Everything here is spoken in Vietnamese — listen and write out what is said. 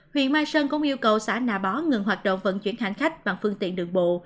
huyện mai sơn cũng yêu cầu xã nà bó ngừng hoạt động vận chuyển hành khách bằng phương tiện đường bộ